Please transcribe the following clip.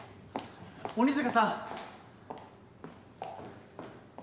鬼塚さん！